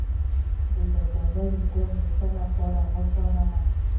د زردالو ګل د څه لپاره وکاروم؟